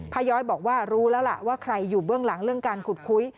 ย้อยบอกว่ารู้แล้วล่ะว่าใครอยู่เบื้องหลังเรื่องการขุดคุย